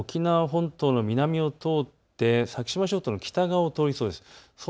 このあと動かすと沖縄本島の南を通って先島諸島の北側を通りそうです。